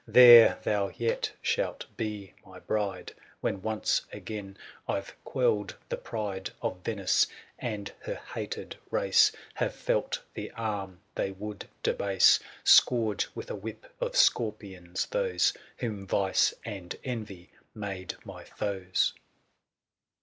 C ^*^" hiKm n a " There thou yet shalt be my bride, " When once again I've quelled the pride 545 " Of Venice ; and her hated race " Have felt the arm they would debase " Scourge, with a whip of scorpions, those " Whom vice and envy made my foes."